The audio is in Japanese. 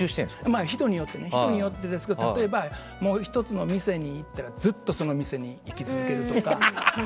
人によってですけど例えば、１つの店に行ったらずっとその店に行き続けるとか。